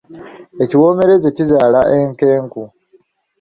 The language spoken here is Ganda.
Ekiwoomereze kizaala enkenku.